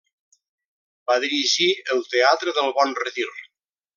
Va dirigir el Teatre del Bon Retir.